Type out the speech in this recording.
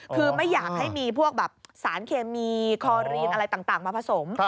คือไม่อยากให้มีพวกแบบสารเคมีคอรีนอะไรต่างมาผสม